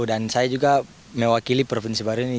dan saya juga mewakili provinsi baru ini